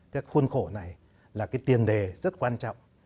các khuôn khổ này là cái tiền đề rất quan trọng